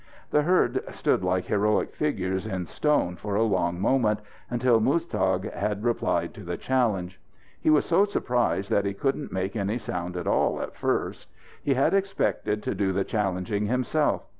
The herd stood like heroic figures in stone for a long moment until Muztagh had replied to the challenge. He was so surprised that he couldn't make any sound at all at first. He had expected to do the challenging himself.